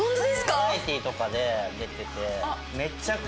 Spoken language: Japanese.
バラエティーとかで出てて。